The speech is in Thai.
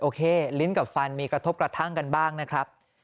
ลิ้นกับฟันมีกระทบกระทั่งกันบ้างนะครับ